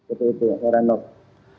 itu itu ya pak rian novitra